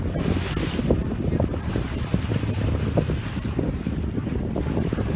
เทพธุ์มีความเกิดใหญ่เท่าไหร่